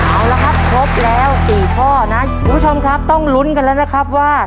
เอาละครับครบแล้ว๔ข้อนะคุณผู้ชมครับต้องลุ้นกันแล้วนะครับว่า